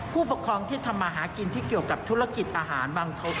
ผู้ปกครองที่ทำมาหากินที่เกี่ยวกับธุรกิจอาหารบังทศ